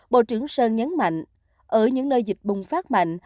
bộ trưởng sơn nhấn mạnh ở những nơi dịch bùng phát mạnh